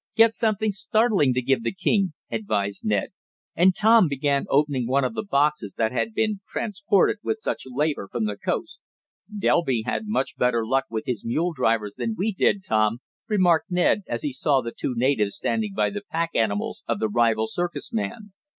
"Get something startling to give the king," advised Ned, and Tom began opening one of the boxes that had been transported with such labor from the coast. "Delby had much better luck with his mule drivers than we did Tom," remarked Ned as he saw the two natives standing by the pack animals of the rival circus man.